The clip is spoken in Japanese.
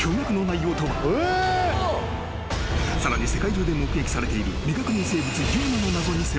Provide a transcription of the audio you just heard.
［さらに世界中で目撃されている未確認生物ＵＭＡの］